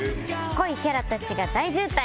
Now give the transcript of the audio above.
濃いキャラたちが大渋滞。